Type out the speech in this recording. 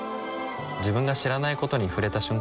自分が知らないことに触れた瞬間